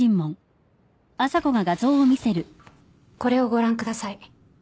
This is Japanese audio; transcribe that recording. これをご覧ください。